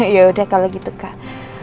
yaudah kalau gitu kak